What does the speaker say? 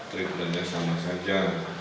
triplenya sama saja